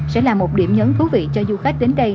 sẽ là một điểm nhấn thú vị cho du khách đến đây